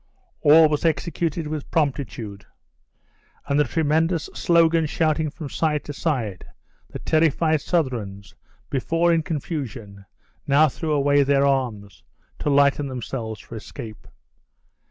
All was executed with promptitude; and the tremendous slogan sounding from side to side, the terrified Southrons, before in confusion, now threw away their arms, to lighten themselves for escape.